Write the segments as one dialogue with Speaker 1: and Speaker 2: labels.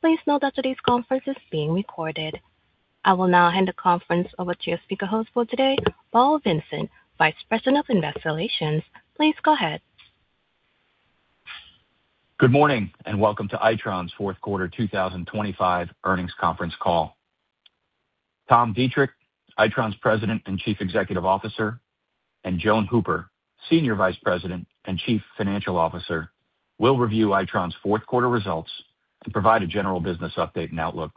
Speaker 1: Please note that today's conference is being recorded. I will now hand the conference over to your speaker host for today, Paul Vincent, Vice President of Investor Relations. Please go ahead.
Speaker 2: Good morning, and welcome to Itron's fourth quarter 2025 earnings conference call. Tom Deitrich, Itron's President and Chief Executive Officer, and Joan Hooper, Senior Vice President and Chief Financial Officer, will review Itron's fourth quarter results and provide a general business update and outlook.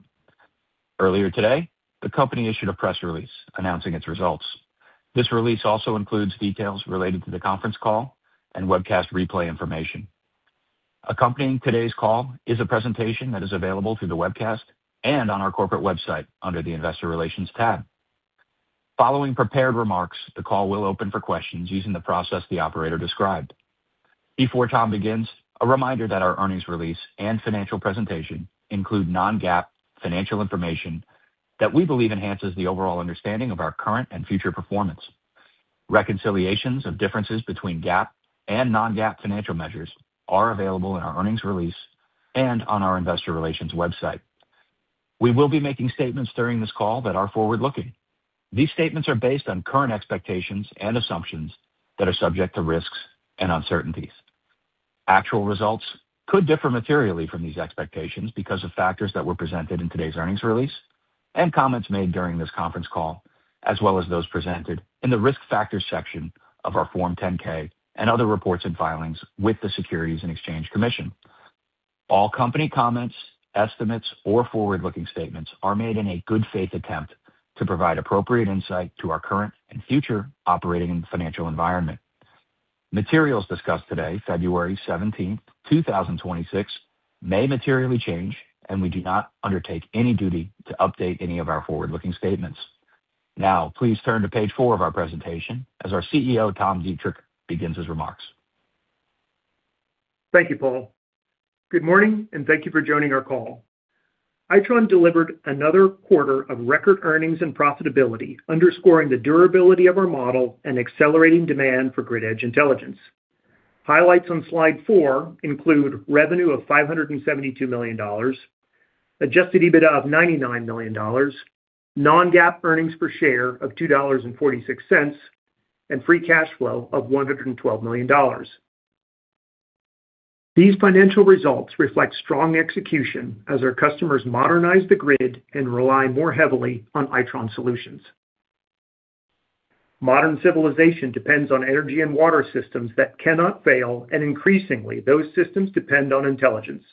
Speaker 2: Earlier today, the company issued a press release announcing its results. This release also includes details related to the conference call and webcast replay information. Accompanying today's call is a presentation that is available through the webcast and on our corporate website under the Investor Relations tab. Following prepared remarks, the call will open for questions using the process the operator described. Before Tom begins, a reminder that our earnings release and financial presentation include non-GAAP financial information that we believe enhances the overall understanding of our current and future performance. Reconciliations of differences between GAAP and non-GAAP financial measures are available in our earnings release and on our investor relations website. We will be making statements during this call that are forward-looking. These statements are based on current expectations and assumptions that are subject to risks and uncertainties. Actual results could differ materially from these expectations because of factors that were presented in today's earnings release and comments made during this conference call, as well as those presented in the Risk Factors section of our Form 10-K and other reports and filings with the Securities and Exchange Commission. All company comments, estimates, or forward-looking statements are made in a good-faith attempt to provide appropriate insight to our current and future operating and financial environment. Materials discussed today, February 17, 2026, may materially change, and we do not undertake any duty to update any of our forward-looking statements. Now, please turn to page four of our presentation as our CEO, Tom Deitrich, begins his remarks.
Speaker 3: Thank you, Paul. Good morning, and thank you for joining our call. Itron delivered another quarter of record earnings and profitability, underscoring the durability of our model and accelerating demand for Grid Edge Intelligence. Highlights on slide 4 include revenue of $572 million, adjusted EBITDA of $99 million, non-GAAP EPS of $2.46, and free cash flow of $112 million. These financial results reflect strong execution as our customers modernize the grid and rely more heavily on Itron solutions. Modern civilization depends on energy and water systems that cannot fail, and increasingly, those systems depend on intelligence.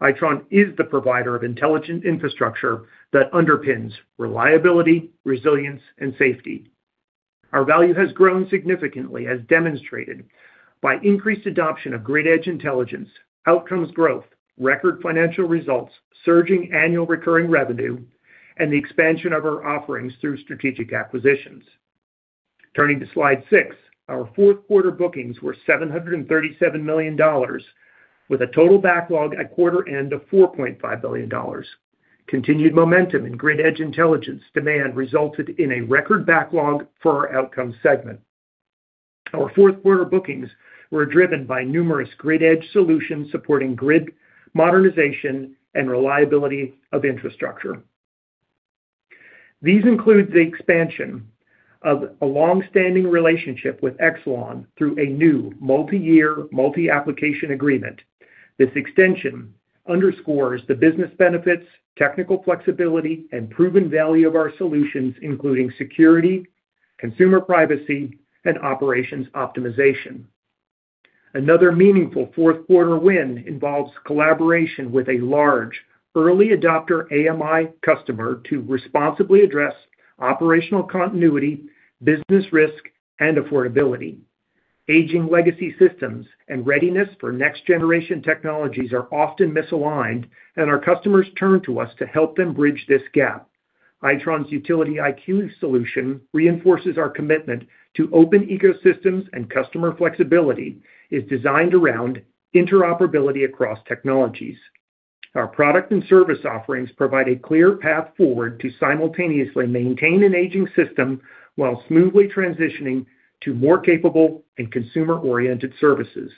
Speaker 3: Itron is the provider of intelligent infrastructure that underpins reliability, resilience, and safety. Our value has grown significantly, as demonstrated by increased adoption of Grid Edge Intelligence, Outcomes growth, record financial results, surging annual recurring revenue, and the expansion of our offerings through strategic acquisitions. Turning to slide 6, our fourth quarter bookings were $737 million, with a total backlog at quarter end of $4.5 billion. Continued momentum in Grid Edge Intelligence demand resulted in a record backlog for our Outcomes segment. Our fourth quarter bookings were driven by numerous Grid Edge solutions, supporting grid modernization and reliability of infrastructure. These include the expansion of a long-standing relationship with Exelon through a new multiyear, multi-application agreement. This extension underscores the business benefits, technical flexibility, and proven value of our solutions, including security, consumer privacy, and operations optimization. Another meaningful fourth quarter win involves collaboration with a large early adopter AMI customer to responsibly address operational continuity, business risk, and affordability. Aging legacy systems and readiness for next-generation technologies are often misaligned, and our customers turn to us to help them bridge this gap. Itron's UtilityIQ solution reinforces our commitment to open ecosystems, and customer flexibility is designed around interoperability across technologies. Our product and service offerings provide a clear path forward to simultaneously maintain an aging system while smoothly transitioning to more capable and consumer-oriented services.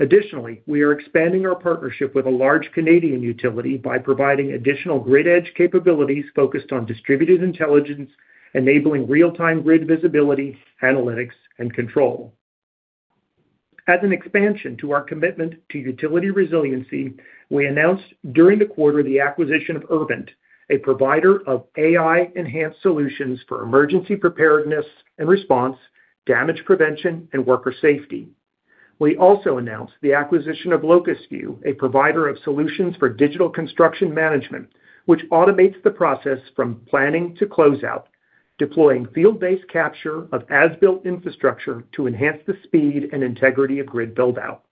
Speaker 3: Additionally, we are expanding our partnership with a large Canadian utility by providing additional Grid Edge capabilities focused on distributed intelligence, enabling real-time grid visibility, analytics, and control. As an expansion to our commitment to utility resiliency, we announced during the quarter the acquisition of Urbint, a provider of AI-enhanced solutions for emergency preparedness and response, damage prevention, and worker safety. We also announced the acquisition of Locusview, a provider of solutions for digital construction management, which automates the process from planning to closeout, deploying field-based capture of as-built infrastructure to enhance the speed and integrity of grid build-out.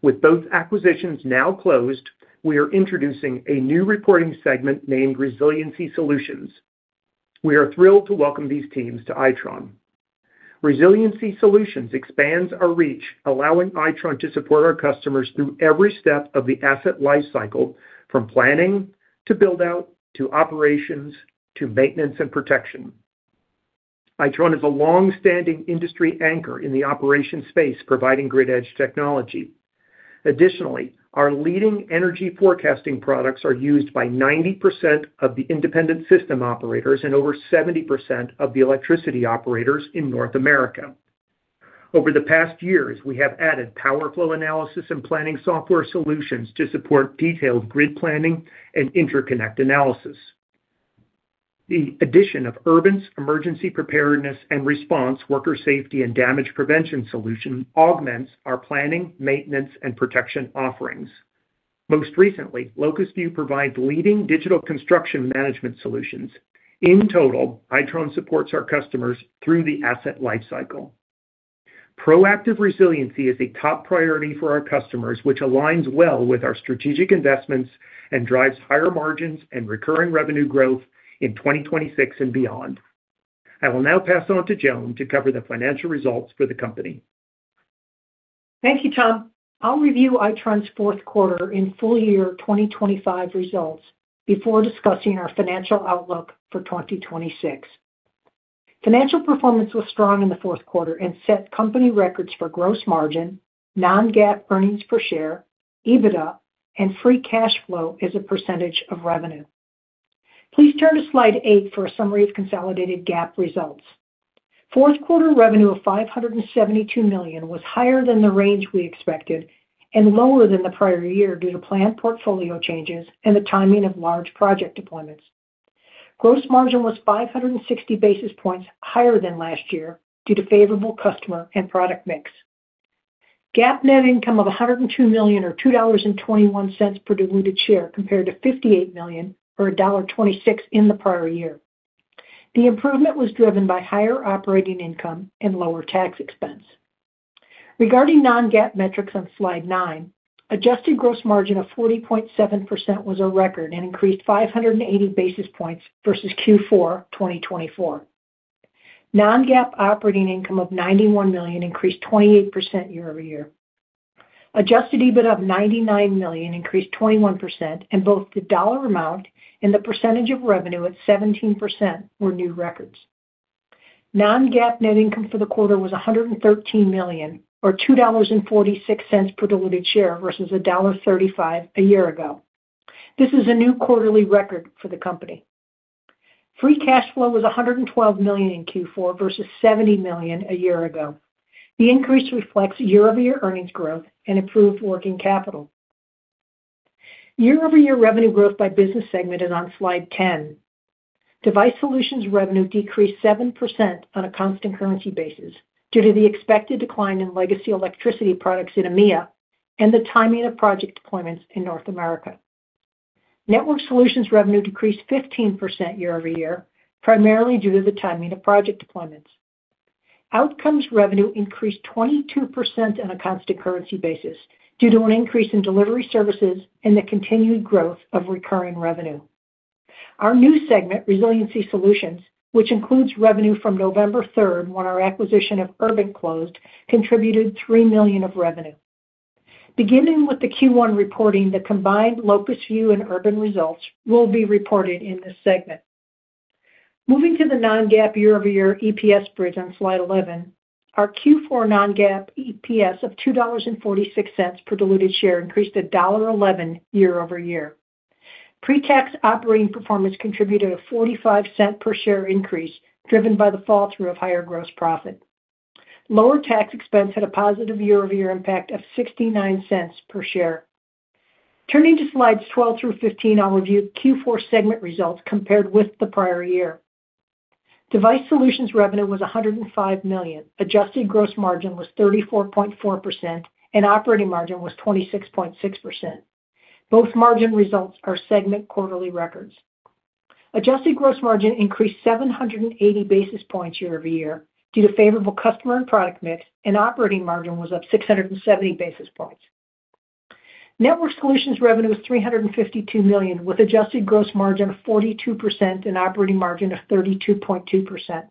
Speaker 3: With both acquisitions now closed, we are introducing a new reporting segment named Resiliency Solutions. We are thrilled to welcome these teams to Itron. Resiliency Solutions expands our reach, allowing Itron to support our customers through every step of the asset lifecycle, from planning, to build-out, to operations, to maintenance and protection.... Itron is a long-standing industry anchor in the operations space, providing grid edge technology. Additionally, our leading energy forecasting products are used by 90% of the independent system operators and over 70% of the electricity operators in North America. Over the past years, we have added power flow analysis and planning software solutions to support detailed grid planning and interconnect analysis. The addition of Urbint's emergency preparedness and response, worker safety, and damage prevention solution augments our planning, maintenance, and protection offerings. Most recently, Locusview provides leading digital construction management solutions. In total, Itron supports our customers through the asset lifecycle. Proactive resiliency is a top priority for our customers, which aligns well with our strategic investments and drives higher margins and recurring revenue growth in 2026 and beyond. I will now pass on to Joan to cover the financial results for the company.
Speaker 4: Thank you, Tom. I'll review Itron's fourth quarter and full year 2025 results before discussing our financial outlook for 2026. Financial performance was strong in the fourth quarter and set company records for gross margin, non-GAAP earnings per share, EBITDA, and free cash flow as a percentage of revenue. Please turn to slide 8 for a summary of consolidated GAAP results. Fourth quarter revenue of $572 million was higher than the range we expected and lower than the prior year due to planned portfolio changes and the timing of large project deployments. Gross margin was 560 basis points higher than last year due to favorable customer and product mix. GAAP net income of $102 million, or $2.21 per diluted share, compared to $58 million, or $1.26 in the prior year. The improvement was driven by higher operating income and lower tax expense. Regarding non-GAAP metrics on slide 9, adjusted gross margin of 40.7% was a record and increased 580 basis points versus Q4 2024. Non-GAAP operating income of $91 million increased 28% year-over-year. Adjusted EBITDA of $99 million increased 21%, and both the dollar amount and the percentage of revenue at 17% were new records. Non-GAAP net income for the quarter was $113 million, or $2.46 per diluted share, versus $1.35 a year ago. This is a new quarterly record for the company. Free cash flow was $112 million in Q4 versus $70 million a year ago. The increase reflects year-over-year earnings growth and improved working capital. Year-over-year revenue growth by business segment is on slide 10. Device Solutions revenue decreased 7% on a constant currency basis due to the expected decline in legacy electricity products in EMEA and the timing of project deployments in North America. Network Solutions revenue decreased 15% year-over-year, primarily due to the timing of project deployments. Outcomes revenue increased 22% on a constant currency basis due to an increase in delivery services and the continued growth of recurring revenue. Our new segment, Resiliency Solutions, which includes revenue from November third, when our acquisition of Urbint closed, contributed $3 million of revenue. Beginning with the Q1 reporting, the combined Locusview and Urbint results will be reported in this segment. Moving to the non-GAAP year-over-year EPS bridge on slide 11, our Q4 non-GAAP EPS of $2.46 per diluted share increased $1.11 year over year. Pre-tax operating performance contributed a $0.45 per share increase, driven by the fall through of higher gross profit. Lower tax expense had a positive year-over-year impact of $0.69 per share. Turning to slides 12 through 15, I'll review Q4 segment results compared with the prior year. Device Solutions revenue was $105 million. Adjusted gross margin was 34.4%, and operating margin was 26.6%. Both margin results are segment quarterly records. Adjusted gross margin increased 780 basis points year over year due to favorable customer and product mix, and operating margin was up 670 basis points. Network Solutions revenue was $352 million, with adjusted gross margin of 42% and operating margin of 32.2%.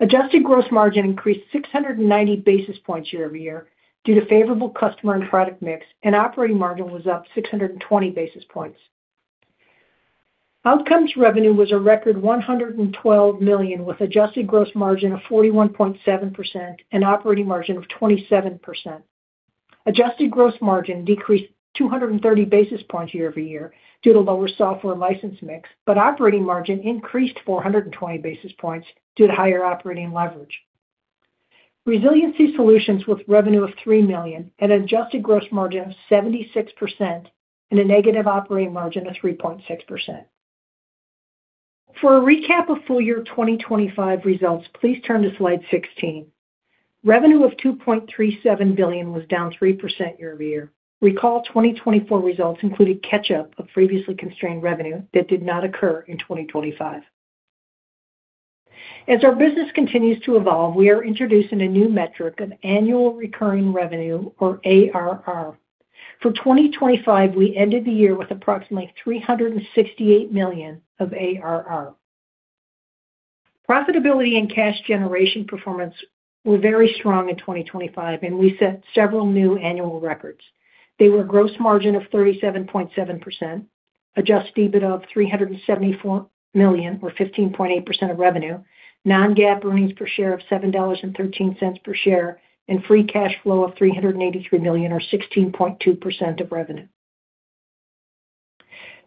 Speaker 4: Adjusted gross margin increased 690 basis points year-over-year due to favorable customer and product mix, and operating margin was up 620 basis points. Outcomes revenue was a record $112 million, with adjusted gross margin of 41.7% and operating margin of 27%. Adjusted gross margin decreased 230 basis points year-over-year due to lower software license mix, but operating margin increased 420 basis points due to higher operating leverage. Resiliency Solutions with revenue of $3 million, an adjusted gross margin of 76%, and a negative operating margin of 3.6%. For a recap of full year 2025 results, please turn to slide 16. Revenue of $2.37 billion was down 3% year-over-year. Recall, 2024 results included catch-up of previously constrained revenue that did not occur in 2025. As our business continues to evolve, we are introducing a new metric of annual recurring revenue, or ARR. For 2025, we ended the year with approximately $368 million of ARR. Profitability and cash generation performance were very strong in 2025, and we set several new annual records. They were a gross margin of 37.7%. adjusted EBITDA of $374 million, or 15.8% of revenue, non-GAAP earnings per share of $7.13 per share, and free cash flow of $383 million, or 16.2% of revenue.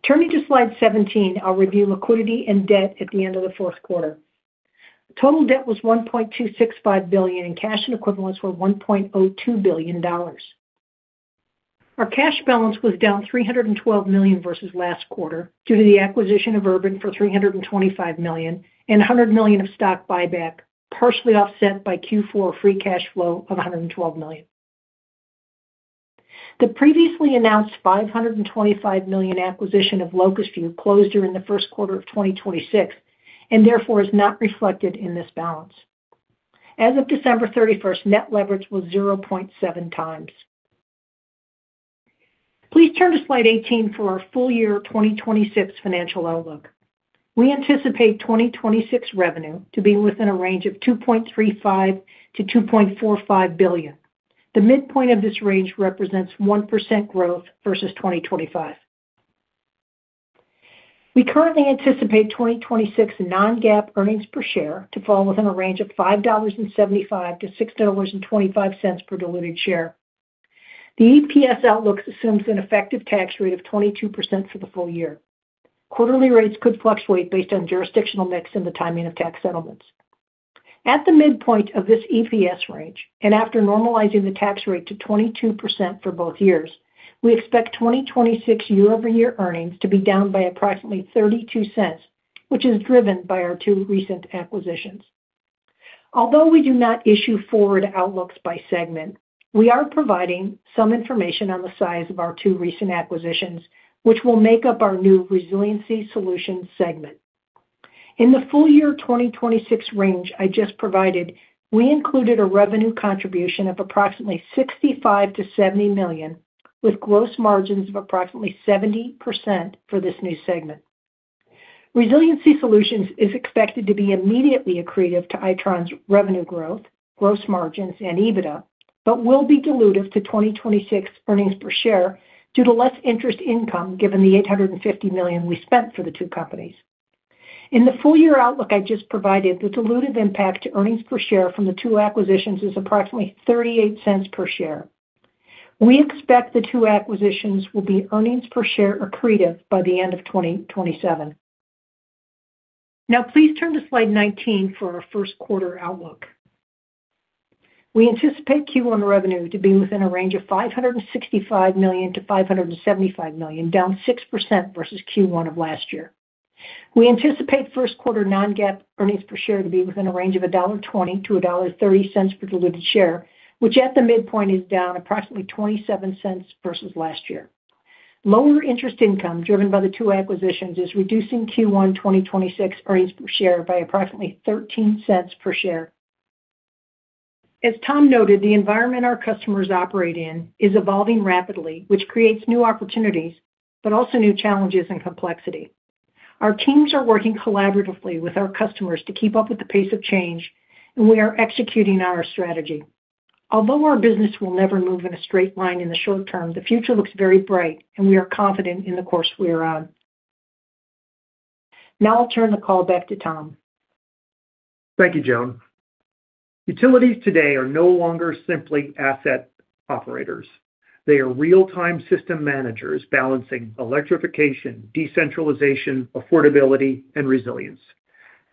Speaker 4: Turning to Slide 17, I'll review liquidity and debt at the end of the fourth quarter. Total debt was $1.265 billion, and cash and equivalents were $1.02 billion. Our cash balance was down $312 million versus last quarter, due to the acquisition of Urbint for $325 million and $100 million of stock buyback, partially offset by Q4 free cash flow of $112 million. The previously announced $525 million acquisition of Locusview closed during the first quarter of 2026, and therefore is not reflected in this balance. As of December 31, net leverage was 0.7 times. Please turn to Slide 18 for our full year 2026 financial outlook. We anticipate 2026 revenue to be within a range of $2.35 billion-$2.45 billion. The midpoint of this range represents 1% growth versus 2025. We currently anticipate 2026 non-GAAP earnings per share to fall within a range of $5.75-$6.25 per diluted share. The EPS outlook assumes an effective tax rate of 22% for the full year. Quarterly rates could fluctuate based on jurisdictional mix and the timing of tax settlements. At the midpoint of this EPS range, and after normalizing the tax rate to 22% for both years, we expect 2026 year-over-year earnings to be down by approximately $0.32, which is driven by our two recent acquisitions. Although we do not issue forward outlooks by segment, we are providing some information on the size of our two recent acquisitions, which will make up our new Resiliency Solutions segment. In the full year 2026 range I just provided, we included a revenue contribution of approximately $65 million-$70 million, with gross margins of approximately 70% for this new segment. Resiliency Solutions is expected to be immediately accretive to Itron's revenue growth, gross margins, and EBITDA, but will be dilutive to 2026 earnings per share due to less interest income, given the $850 million we spent for the two companies. In the full year outlook I just provided, the dilutive impact to earnings per share from the two acquisitions is approximately $0.38 per share. We expect the two acquisitions will be earnings per share accretive by the end of 2027. Now, please turn to Slide 19 for our first quarter outlook. We anticipate Q1 revenue to be within a range of $565 million-$575 million, down 6% versus Q1 of last year. We anticipate first quarter non-GAAP earnings per share to be within a range of $1.20-$1.30 per diluted share, which at the midpoint is down approximately $0.27 versus last year. Lower interest income, driven by the two acquisitions, is reducing Q1 2026 earnings per share by approximately $0.13 per share. As Tom noted, the environment our customers operate in is evolving rapidly, which creates new opportunities, but also new challenges and complexity. Our teams are working collaboratively with our customers to keep up with the pace of change, and we are executing on our strategy. Although our business will never move in a straight line in the short term, the future looks very bright, and we are confident in the course we are on. Now I'll turn the call back to Tom.
Speaker 3: Thank you, Joan. Utilities today are no longer simply asset operators. They are real-time system managers balancing electrification, decentralization, affordability, and resilience.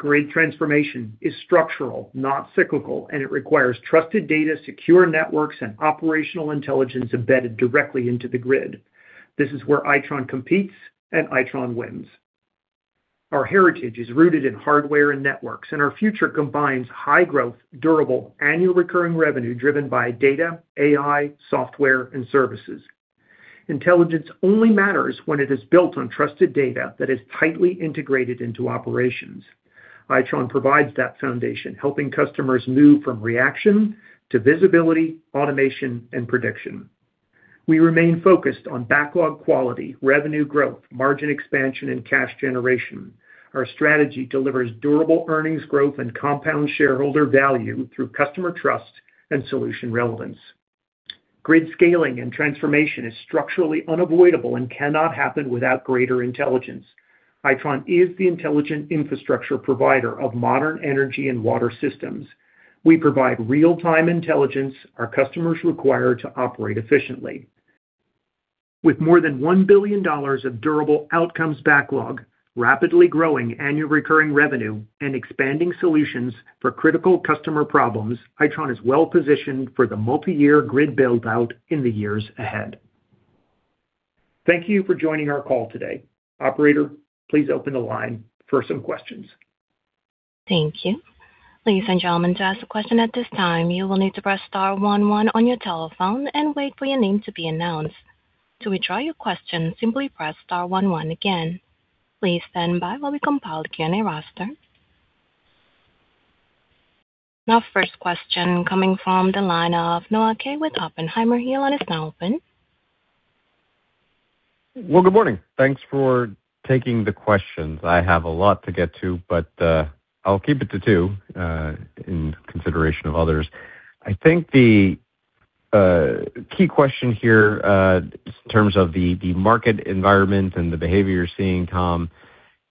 Speaker 3: Grid transformation is structural, not cyclical, and it requires trusted data, secure networks, and operational intelligence embedded directly into the grid. This is where Itron competes and Itron wins. Our heritage is rooted in hardware and networks, and our future combines high-growth, durable, annual recurring revenue driven by data, AI, software, and services. Intelligence only matters when it is built on trusted data that is tightly integrated into operations. Itron provides that foundation, helping customers move from reaction to visibility, automation, and prediction. We remain focused on backlog quality, revenue growth, margin expansion, and cash generation. Our strategy delivers durable earnings growth and compound shareholder value through customer trust and solution relevance. Grid scaling and transformation is structurally unavoidable and cannot happen without greater intelligence. Itron is the intelligent infrastructure provider of modern energy and water systems. We provide real-time intelligence our customers require to operate efficiently. With more than $1 billion of durable outcomes backlog, rapidly growing annual recurring revenue, and expanding solutions for critical customer problems, Itron is well-positioned for the multiyear grid build-out in the years ahead. Thank you for joining our call today. Operator, please open the line for some questions.
Speaker 1: Thank you. Ladies and gentlemen, to ask a question at this time, you will need to press * 1 1 on your telephone and wait for your name to be announced. To withdraw your question, simply press * 1 1 again. Please stand by while we compile the Q&A roster. Now, first question coming from the line of Noah Kaye with Oppenheimer. Your line is now open.
Speaker 5: Well, good morning. Thanks for taking the questions. I have a lot to get to, but I'll keep it to two, in consideration of others. I think the key question here, in terms of the market environment and the behavior you're seeing, Tom,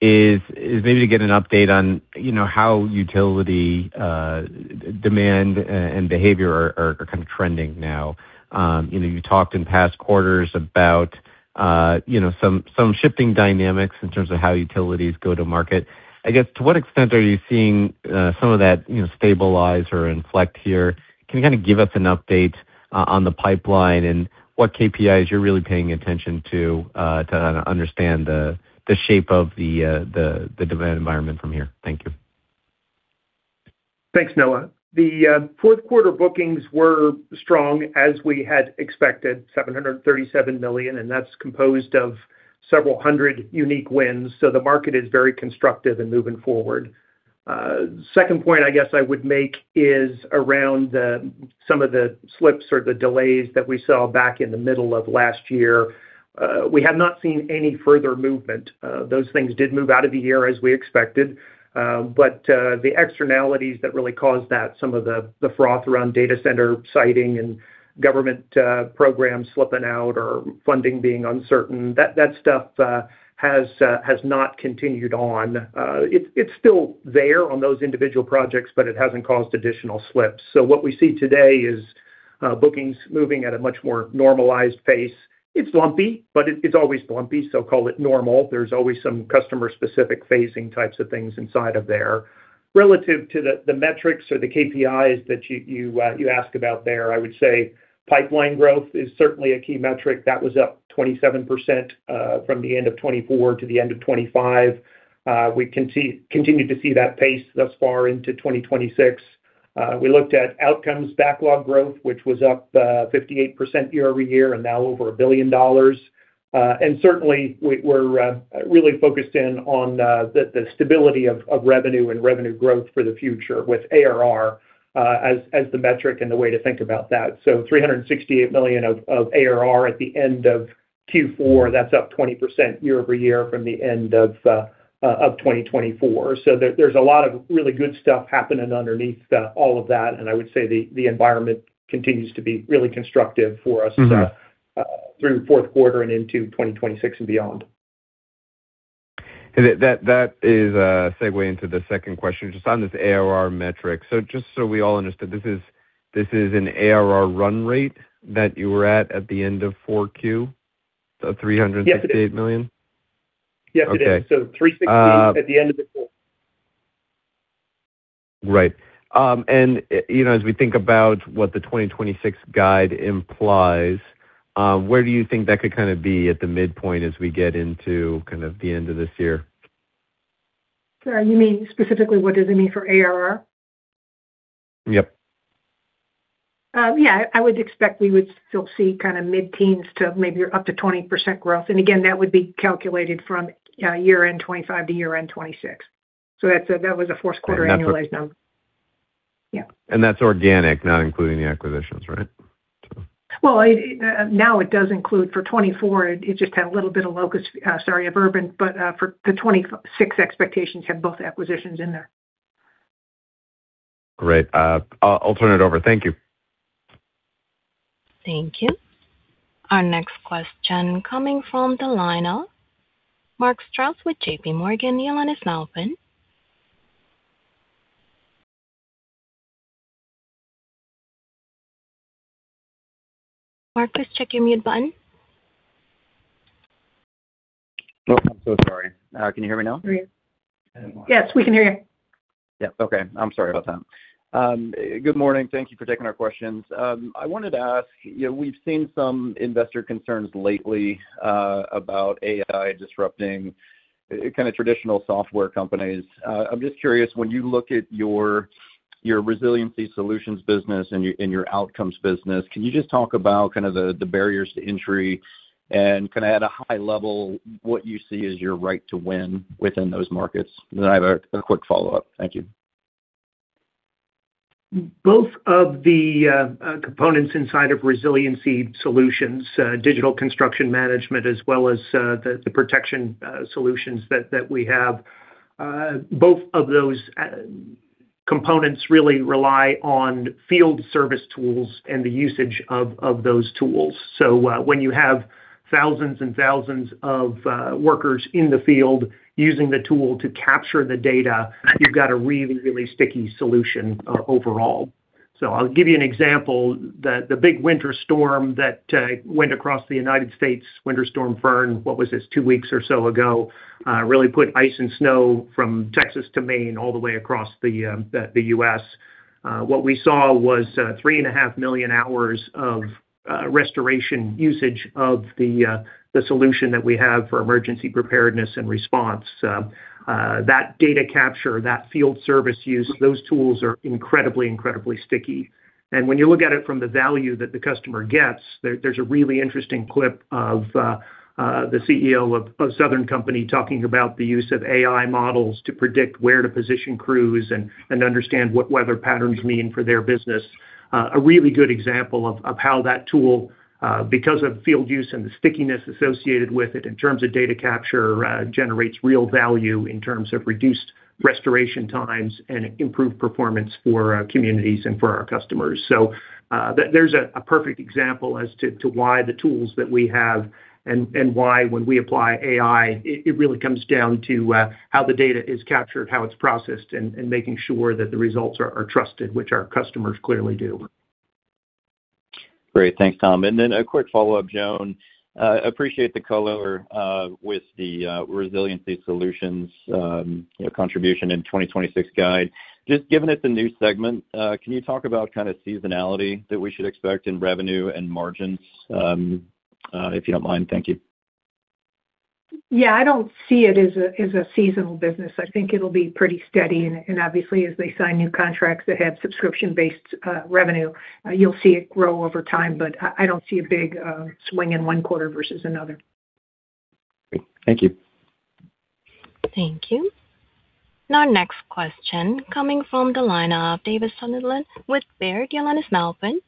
Speaker 5: is maybe to get an update on how utility demand and behavior are kind of trending now. You talked in past quarters about some shifting dynamics in terms of how utilities go to market. I guess, to what extent are you seeing some of that stabilize or inflect here? Can you kind of give us an update on the pipeline and what KPIs you're really paying attention to, to understand the shape of the demand environment from here? Thank you.
Speaker 3: Thanks, Noah. The fourth quarter bookings were strong, as we had expected, $737 million, and that's composed of several hundred unique wins. So, the market is very constructive in moving forward. Second point I guess I would make is around some of the slips or the delays that we saw back in the middle of last year. We have not seen any further movement. Those things did move out of the year as we expected, but the externalities that really caused that, some of the froth around data center siting and government programs slipping out or funding being uncertain, that stuff has not continued on. It's still there on those individual projects, but it hasn't caused additional slips. So, what we see today is bookings moving at a much more normalized pace. It's lumpy, but it, it's always lumpy, so call it normal. There's always some customer-specific phasing types of things inside of there. Relative to the metrics or the KPIs that you asked about there, I would say pipeline growth is certainly a key metric. That was up 27%, from the end of 2024 to the end of 2025. We continue to see that pace thus far into 2026. We looked at outcomes backlog growth, which was up 58% year-over-year and now over $1 billion. And certainly we're really focused in on the stability of revenue and revenue growth for the future with ARR as the metric and the way to think about that. So, $368 million of ARR at the end of Q4, that's up 20% year-over-year from the end of 2024. So, there's a lot of really good stuff happening underneath all of that, and I would say the environment continues to be really constructive for us-
Speaker 5: Mm-hmm...
Speaker 3: through the fourth quarter and into 2026 and beyond.
Speaker 5: That is a segue into the second question. Just on this ARR metric, so just so we all understand, this is an ARR run rate that you were at, at the end of Q4, the $368 million?
Speaker 3: Yes, it is.
Speaker 5: Okay.
Speaker 3: 360 at the end of the fourth.
Speaker 5: Right. As we think about what the 2026 guide implies, where do you think that could kind of be at the midpoint as we get into kind of the end of this year?
Speaker 4: Sorry, you mean specifically, what does it mean for ARR?
Speaker 5: Yep.
Speaker 4: Yeah, I would expect we would still see kind of mid-teens to maybe up to 20% growth. And again, that would be calculated from year-end 2025 to year-end 2026. So, that's that was a fourth quarter annualized number.
Speaker 5: And that's-
Speaker 4: Yeah.
Speaker 5: And that's organic, not including the acquisitions, right? So...
Speaker 4: Well, it now does include for 2024. It just had a little bit of Locusview, sorry, of Urbint, but for the 2026 expectations had both acquisitions in there.
Speaker 5: Great. I'll turn it over. Thank you.
Speaker 1: Thank you. Our next question coming from the line of Mark Strouse with J.P. Morgan. The line is now open. Mark, please check your mute button.
Speaker 6: Oh, I'm so sorry. Can you hear me now?
Speaker 4: Yes, we can hear you.
Speaker 6: Yeah. Okay. I'm sorry about that. Good morning. Thank you for taking our questions. I wanted to ask, we've seen some investor concerns lately about AI disrupting kind of traditional software companies. I'm just curious, when you look at your resiliency solutions business and your outcomes business, can you just talk about kind of the barriers to entry and kind of at a high level, what you see as your right to win within those markets? Then I have a quick follow-up. Thank you.
Speaker 3: Both of the components inside of Resiliency Solutions, digital construction management, as well as the protection solutions that we have, both of those components really rely on field service tools and the usage of those tools. So, when you have thousands and thousands of workers in the field using the tool to capture the data, you've got a really, really sticky solution overall. So, I'll give you an example. The big winter storm that went across the United States, Winter Storm Erin, what was this? Two weeks or so ago, really put ice and snow from Texas to Maine all the way across the U.S. What we saw was 3.5 million hours of restoration usage of the solution that we have for emergency preparedness and response. That data capture, that field service use, those tools are incredibly, incredibly sticky. When you look at it from the value that the customer gets, there's a really interesting clip of the CEO of Southern Company talking about the use of AI models to predict where to position crews and understand what weather patterns mean for their business. A really good example of how that tool, because of field use and the stickiness associated with it in terms of data capture, generates real value in terms of reduced restoration times and improved performance for communities and for our customers. So, there's a perfect example as to why the tools that we have and why when we apply AI, it really comes down to how the data is captured, how it's processed, and making sure that the results are trusted, which our customers clearly do.
Speaker 6: Great. Thanks, Tom. And then a quick follow-up, Joan. Appreciate the color with the resiliency solutions, contribution in 2026 guide. Just given it's a new segment, can you talk about kind of seasonality that we should expect in revenue and margins, if you don't mind? Thank you.
Speaker 4: Yeah, I don't see it as a seasonal business. I think it'll be pretty steady, and obviously, as they sign new contracts that have subscription-based revenue, you'll see it grow over time. But I don't see a big swing in one quarter versus another.
Speaker 6: Great. Thank you.
Speaker 1: Thank you. Our next question coming from the line of Davis Sunderland with Baird. Your line is now open.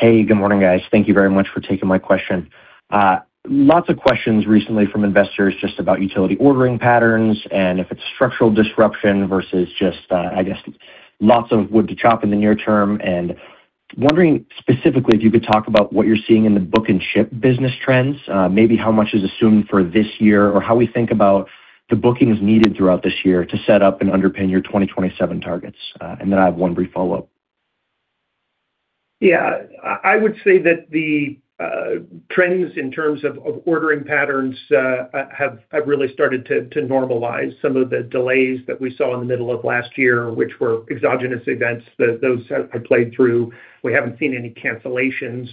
Speaker 7: Hey, good morning, guys. Thank you very much for taking my question. Lots of questions recently from investors just about utility ordering patterns and if it's structural disruption versus just, I guess, lots of wood to chop in the near term. Wondering, specifically, if you could talk about what you're seeing in the Book and Ship business trends, maybe how much is assumed for this year, or how we think about the bookings needed throughout this year to set up and underpin your 2027 targets? Then I have one brief follow-up.
Speaker 3: Yeah. I would say that the trends in terms of ordering patterns have really started to normalize. Some of the delays that we saw in the middle of last year, which were exogenous events, that those have played through. We haven't seen any cancellations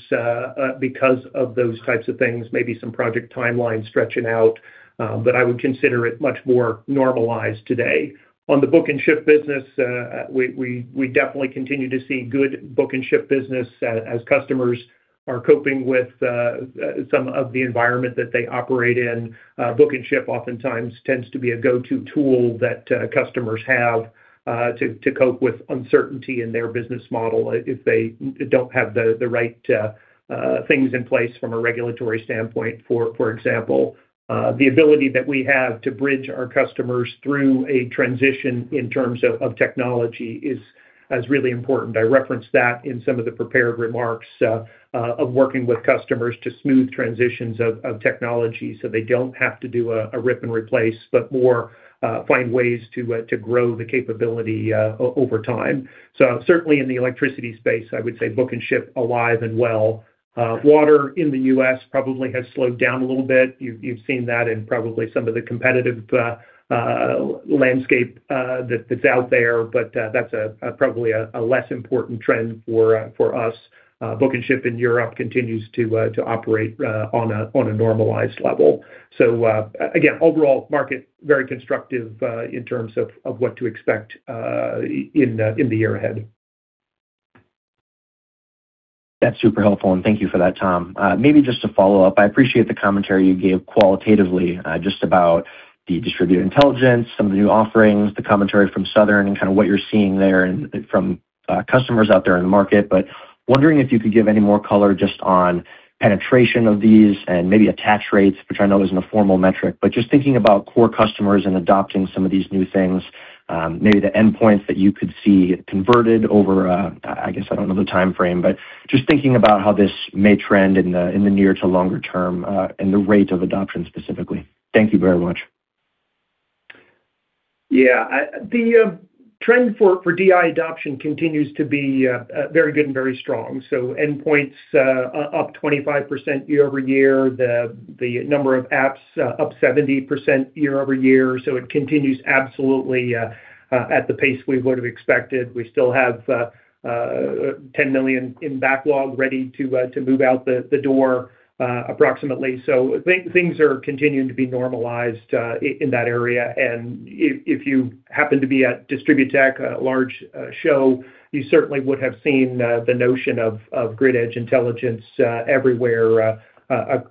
Speaker 3: because of those types of things, maybe some project timelines stretching out, but I would consider it much more normalized today. On the Book and Ship business, we definitely continue to see good Book and Ship business. As customers are coping with some of the environment that they operate in, book and ship oftentimes tends to be a go-to tool that customers have to cope with uncertainty in their business model if they don't have the right things in place from a regulatory standpoint, for example. The ability that we have to bridge our customers through a transition in terms of technology is really important. I referenced that in some of the prepared remarks of working with customers to smooth transitions of technology, so they don't have to do a rip and replace, but more find ways to grow the capability over time. So, certainly in the electricity space, I would say book and ship alive and well. Water in the U.S. probably has slowed down a little bit. You've seen that in probably some of the competitive landscape that's out there, but that's probably a less important trend for us. Book and Ship in Europe continues to operate on a normalized level. So, again, overall market very constructive in terms of what to expect in the year ahead.
Speaker 7: That's super helpful, and thank you for that, Tom. Maybe just to follow up, I appreciate the commentary you gave qualitatively, just about the distributed intelligence, some of the new offerings, the commentary from Southern, and kind of what you're seeing there and from customers out there in the market. But wondering if you could give any more color just on penetration of these and maybe attach rates, which I know isn't a formal metric. But just thinking about core customers and adopting some of these new things, maybe the endpoints that you could see converted over. I guess I don't know the timeframe. But just thinking about how this may trend in the near to longer term, and the rate of adoption specifically. Thank you very much.
Speaker 3: Yeah. The trend for DI adoption continues to be very good and very strong. So, endpoints up 25% year-over-year, the number of apps up 70% year-over-year, so, it continues absolutely at the pace we would have expected. We still have 10 million in backlog, ready to move out the door, approximately. So, things are continuing to be normalized in that area. And if you happen to be at DistribuTECH, a large show, you certainly would have seen the notion of grid edge intelligence everywhere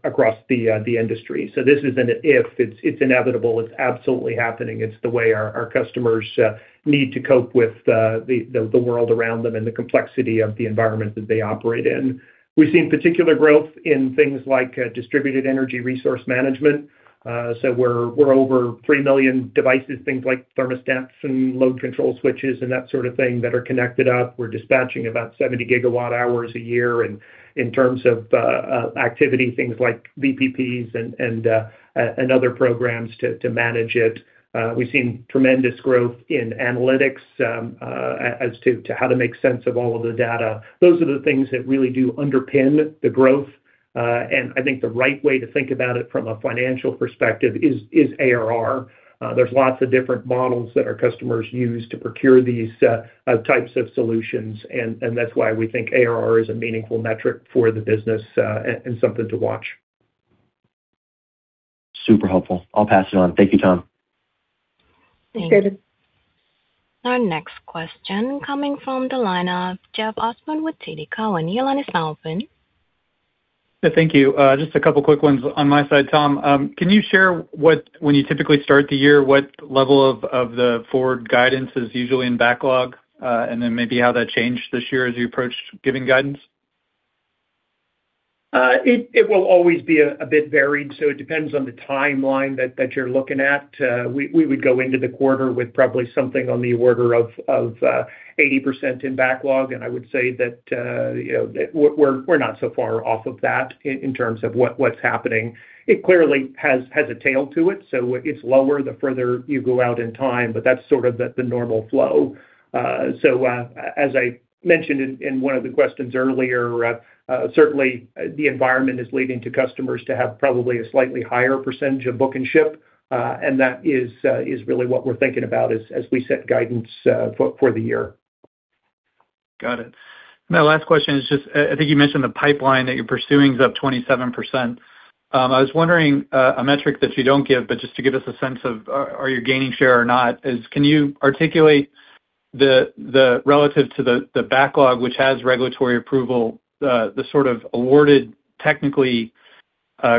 Speaker 3: across the industry. So, this isn't an if, it's inevitable. It's absolutely happening. It's the way our customers need to cope with the world around them and the complexity of the environment that they operate in. We've seen particular growth in things like distributed energy resource management. So, we're over 3 million devices, things like thermostats and load control switches and that sort of thing, that are connected up. We're dispatching about 70 GWh a year. And in terms of activity, things like VPPs and other programs to manage it. We've seen tremendous growth in analytics as to how to make sense of all of the data. Those are the things that really do underpin the growth. And I think the right way to think about it from a financial perspective is ARR. There's lots of different models that our customers use to procure these types of solutions, and that's why we think ARR is a meaningful metric for the business, and something to watch.
Speaker 7: Super helpful. I'll pass it on. Thank you, Tom.
Speaker 1: Thanks, Davis. Our next question coming from the line of Jeff Osborne with TD Cowen. Your line is now open.
Speaker 8: Yeah, thank you. Just a couple quick ones on my side, Tom. Can you share what, when you typically start the year, what level of the forward guidance is usually in backlog? And then maybe how that changed this year as you approached giving guidance.
Speaker 3: It will always be a bit varied, so, it depends on the timeline that you're looking at. We would go into the quarter with probably something on the order of 80% in backlog, and I would say that, we're not so far off of that in terms of what's happening. It clearly has a tail to it, so it's lower the further you go out in time, but that's sort of the normal flow. As I mentioned in one of the questions earlier, certainly the environment is leading customers to have probably a slightly higher percentage of book and ship, and that is really what we're thinking about as we set guidance for the year.
Speaker 8: Got it. My last question is just, I think you mentioned the pipeline that you're pursuing is up 27%. I was wondering, a metric that you don't give, but just to give us a sense of, are you gaining share or not, is can you articulate the relative to the backlog, which has regulatory approval, the sort of awarded technically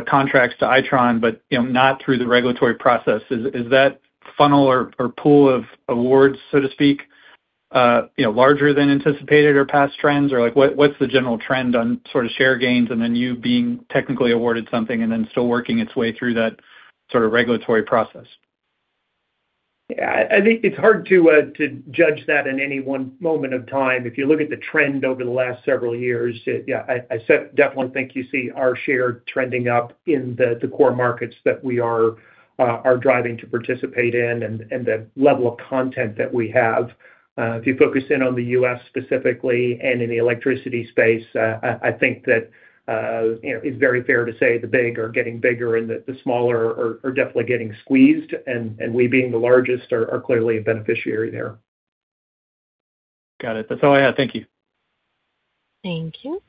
Speaker 8: contracts to Itron, but not through the regulatory process. Is that funnel or pool of awards, so to speak, larger than anticipated or past trends? Or like, what, what's the general trend on sort of share gains, and then you being technically awarded something and then still working its way through that sort of regulatory process?
Speaker 3: Yeah, I think it's hard to judge that in any one moment of time. If you look at the trend over the last several years, yeah, I definitely think you see our share trending up in the core markets that we are driving to participate in and the level of content that we have. If you focus in on the U.S. specifically and in the electricity space, I think that it's very fair to say the big are getting bigger and the smaller are definitely getting squeezed, and we are being the largest, are clearly a beneficiary there.
Speaker 8: Got it. That's all I have. Thank you.
Speaker 1: Thank you.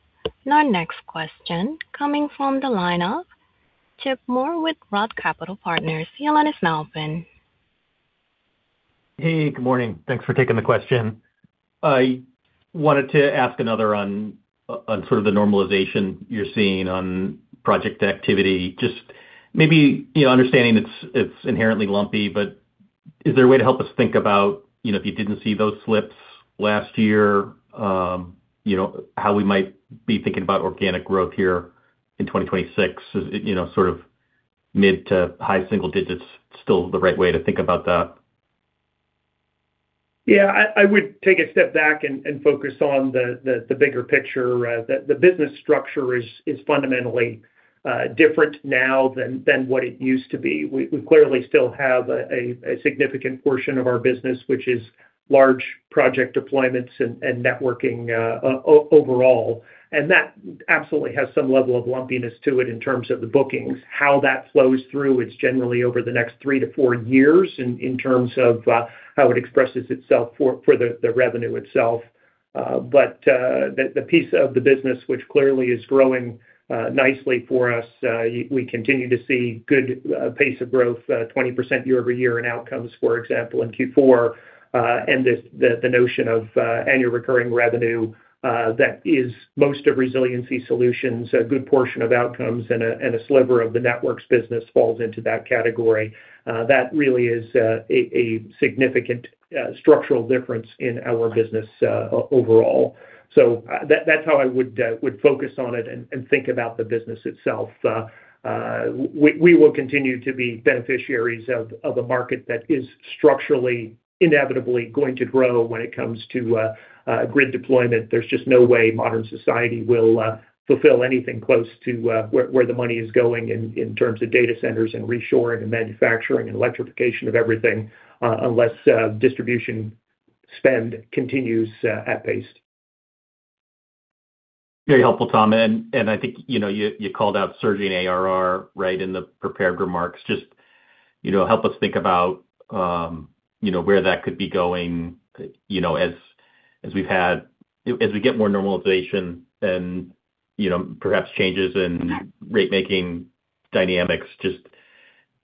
Speaker 1: Our next question coming from the line of Chip Moore with Roth Capital Partners. Your line is now open.
Speaker 9: Hey, good morning. Thanks for taking the question. I wanted to ask another on the normalization you're seeing on project activity. Just maybe, understanding it's inherently lumpy, but is there a way to help us think about, if you didn't see those slips last year, how we might be thinking about organic growth here in 2026? Is sort of mid to high single digits, still the right way to think about that?
Speaker 3: Yeah, I would take a step back and focus on the bigger picture. The business structure is fundamentally different now than what it used to be. We clearly still have a significant portion of our business, which is large project deployments and networking overall, and that absolutely has some level of lumpiness to it in terms of the bookings. How that flows through, it's generally over the next three to four years in terms of how it expresses itself for the revenue itself. But the piece of the business which clearly is growing nicely for us, we continue to see good pace of growth, 20% year-over-year in Outcomes, for example, in Q4. And this, the notion of annual recurring revenue, that is most of Resiliency Solutions, a good portion of Outcomes and a sliver of the Networks business falls into that category. That really is a significant structural difference in our business overall. So, that's how I would focus on it and think about the business itself. We will continue to be beneficiaries of a market that is structurally, inevitably going to grow when it comes to grid deployment. There's just no way modern society will fulfill anything close to where the money is going in terms of data centers and reshoring and manufacturing and electrification of everything, unless distribution spend continues at pace.
Speaker 9: Very helpful, Tom. I think, you know, you called out surging ARR, right, in the prepared remarks. Just, you know, help us think about, you know, where that could be going, you know, as we get more normalization and, you know, perhaps changes in rate-making dynamics, just,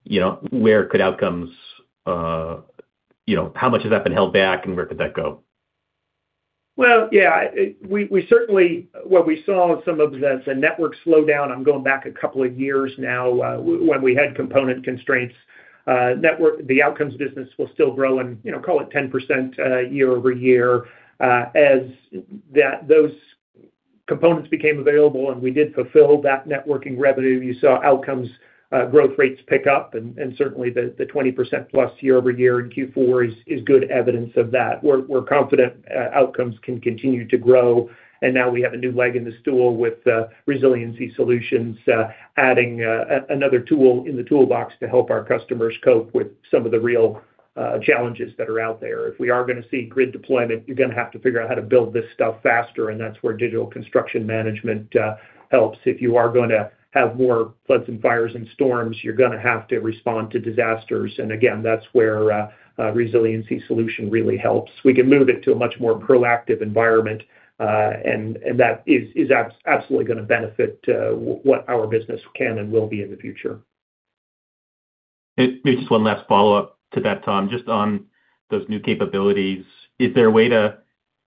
Speaker 9: you know, where could Outcomes, you know, how much has that been held back, and where could that go?
Speaker 3: Well, yeah, we certainly—what we saw with some of the network slowdown, I'm going back a couple of years now, when we had component constraints, network—the Outcomes business will still grow and, you know, call it 10%, year-over-year. As that, those components became available, and we did fulfill that networking revenue, you saw Outcomes growth rates pick up, and certainly the 20%+ year-over-year in Q4 is good evidence of that. We're confident Outcomes can continue to grow, and now we have a new leg in the stool with Resiliency Solutions adding another tool in the toolbox to help our customers cope with some of the real challenges that are out there. If we are gonna see grid deployment, you're gonna have to figure out how to build this stuff faster, and that's where digital construction management helps. If you are gonna have more floods and fires and storms, you're gonna have to respond to disasters. And again, that's where Resiliency Solution really helps. We can move it to a much more proactive environment, and that is absolutely gonna benefit what our business can and will be in the future.
Speaker 9: Maybe just one last follow-up to that, Tom, just on those new capabilities. Is there a way to,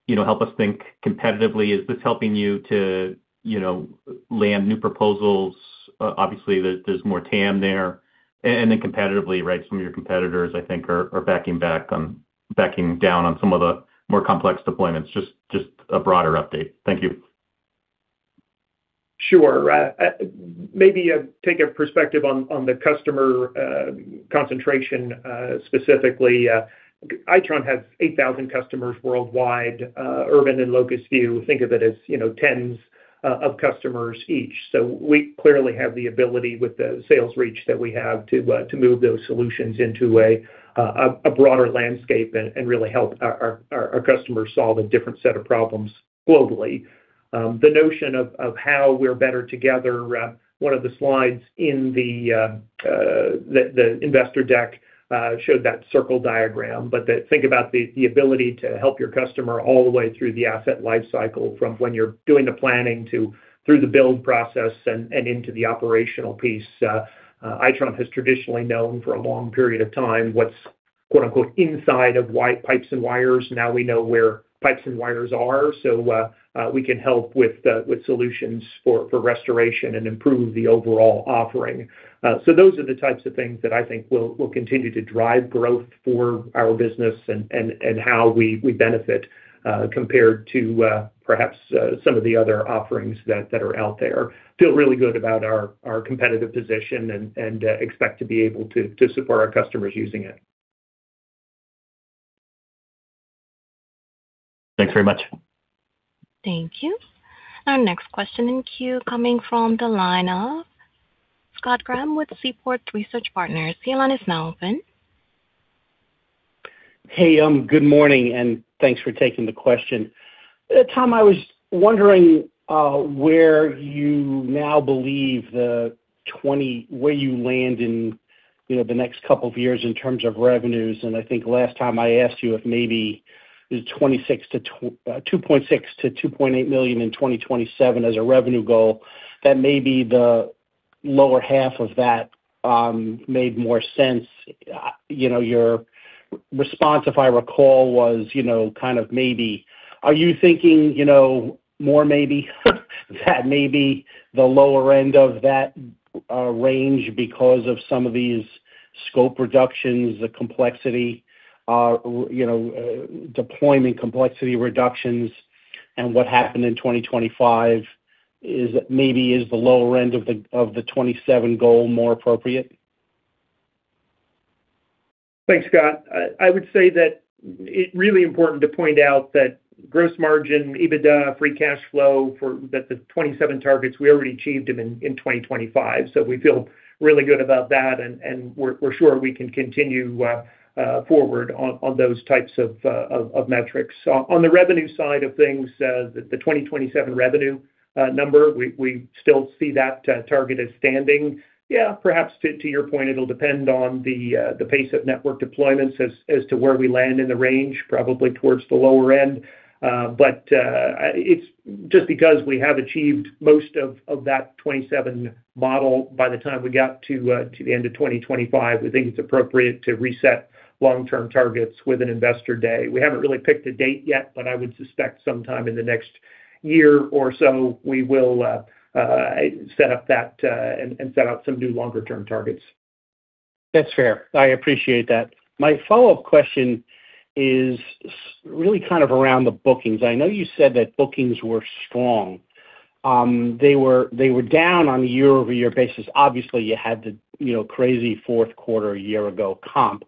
Speaker 9: you know, help us think competitively? Is this helping you to, you know, land new proposals? Obviously, there's more TAM there. And then competitively, right, some of your competitors, I think, are backing down on some of the more complex deployments. Just a broader update. Thank you.
Speaker 3: Sure. Maybe take a perspective on the customer concentration specifically. Itron has 8,000 customers worldwide, Urbint and Locusview, think of it as, you know, tens of customers each. So, we clearly have the ability with the sales reach that we have to move those solutions into a broader landscape and really help our customers solve a different set of problems globally. The notion of how we're better together, one of the slides in the investor deck showed that circle diagram. But think about the ability to help your customer all the way through the asset life cycle, from when you're doing the planning to through the build process and into the operational piece. Itron has traditionally known for a long period of time what's quote, unquote, inside of wires, pipes and wires. Now we know where pipes and wires are, so, we can help with solutions for restoration and improve the overall offering. So, those are the types of things that I think will continue to drive growth for our business and how we benefit compared to perhaps some of the other offerings that are out there. Feel really good about our competitive position and expect to be able to support our customers using it.
Speaker 9: Thanks very much.
Speaker 1: Thank you. Our next question in queue coming from the line of Scott Graham with Seaport Research Partners. The line is now open.
Speaker 10: Hey, good morning, and thanks for taking the question. Tom, I was wondering where you now believe the 20s where you land in, you know, the next couple of years in terms of revenues. And I think last time I asked you if maybe it was $2.6 million-$2.8 million in 2027 as a revenue goal, that maybe the lower half of that made more sense. You know, your response, if I recall, was, you know, kind of maybe. Are you thinking, you know, more maybe, that maybe the lower end of that range because of some of these scope reductions, the complexity, you know, deployment complexity reductions, and what happened in 2025 is, maybe the lower end of the 2027 goal more appropriate?
Speaker 3: Thanks, Scott. I would say that it's really important to point out that gross margin, EBITDA, free cash flow for the 27 targets, we already achieved them in 2025. So, we feel really good about that, and we're sure we can continue forward on those types of metrics. On the revenue side of things, the 2027 revenue number, we still see that target as standing. Yeah, perhaps to your point, it'll depend on the pace of network deployments as to where we land in the range, probably towards the lower end. But it's just because we have achieved most of that 27 model by the time we got to the end of 2025. We think it's appropriate to reset long-term targets with an investor day. We haven't really picked a date yet, but I would suspect sometime in the next year or so, we will set up that and set out some new longer-term targets.
Speaker 10: That's fair. I appreciate that. My follow-up question is really kind of around the bookings. I know you said that bookings were strong. They were, they were down on a year-over-year basis. Obviously, you had the, you know, crazy fourth quarter a year ago comp.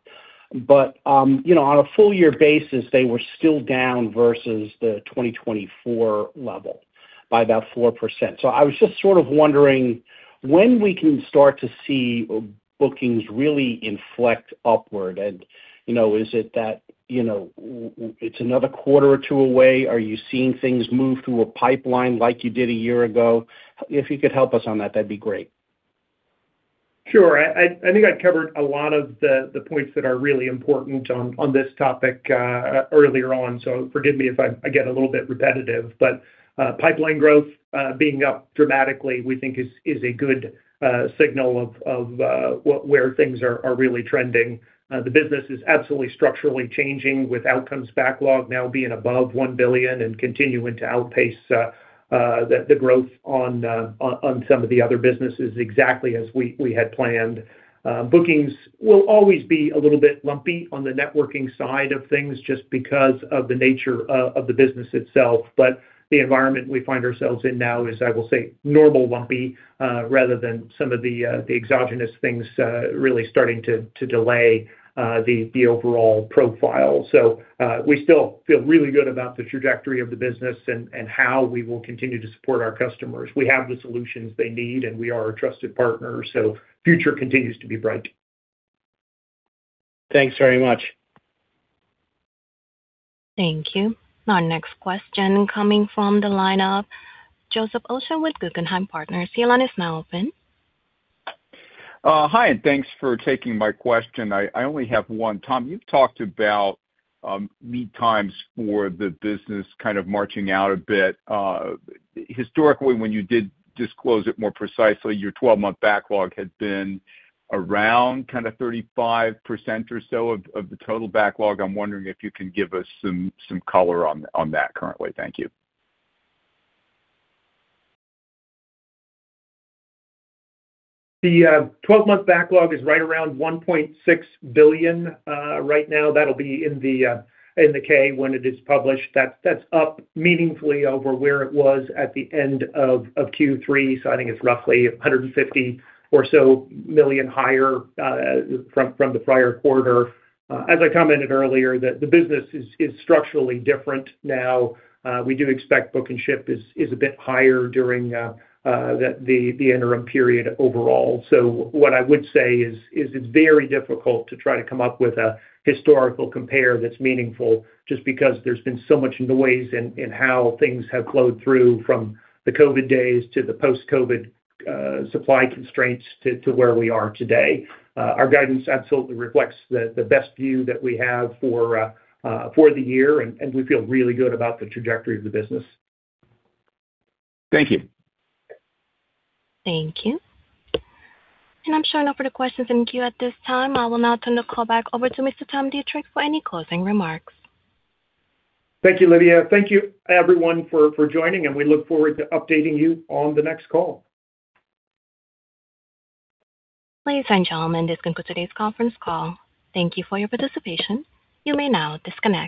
Speaker 10: But, you know, on a full year basis, they were still down versus the 2024 level by about 4%. So, I was just sort of wondering when we can start to see bookings really inflect upward, and, you know, is it that, it's another quarter or two away? Are you seeing things move through a pipeline like you did a year ago? If you could help us on that, that'd be great.
Speaker 3: Sure. I think I've covered a lot of the points that are really important on this topic earlier on so, forgive me if I get a little bit repetitive. But, pipeline growth being up dramatically, we think is a good signal of where things are really trending. The business is absolutely structurally changing, with Outcomes backlog now being above $1 billion and continuing to outpace the growth on some of the other businesses, exactly as we had planned. Bookings will always be a little bit lumpy on the networking side of things, just because of the nature of the business itself. But the environment we find ourselves in now is, I will say, normal lumpy, rather than some of the, the exogenous things, really starting to, to delay, the, the overall profile. So, we still feel really good about the trajectory of the business and, and how we will continue to support our customers. We have the solutions they need, and we are a trusted partner so, future continues to be bright.
Speaker 10: Thanks very much.
Speaker 1: Thank you. Our next question coming from the line of Joseph Osha with Guggenheim Partners. Your line is now open.
Speaker 11: Hi, and thanks for taking my question. I only have one. Tom, you've talked about lead times for the business kind of marching out a bit. Historically, when you did disclose it more precisely, your 12-month backlog had been around kind of 35% or so of the total backlog. I'm wondering if you can give us some color on that currently. Thank you.
Speaker 3: The twelve-month backlog is right around $1.6 billion right now. That'll be in the 10-K when it is published. That's up meaningfully over where it was at the end of Q3, so, I think it's roughly $150 million or so higher from the prior quarter. As I commented earlier, the business is structurally different now. We do expect book and ship is a bit higher during the interim period overall. So, what I would say is it's very difficult to try to come up with a historical compare that's meaningful, just because there's been so much noise in how things have flowed through from the COVID days to the post-COVID supply constraints to where we are today. Our guidance absolutely reflects the best view that we have for the year, and we feel really good about the trajectory of the business.
Speaker 11: Thank you.
Speaker 1: Thank you. I'm showing no further questions in queue at this time. I will now turn the call back over to Mr. Tom Deitrich for any closing remarks.
Speaker 3: Thank you, Lydia. Thank you, everyone, for joining, and we look forward to updating you on the next call.
Speaker 1: Ladies and gentlemen, this concludes today's conference call. Thank you for your participation. You may now disconnect.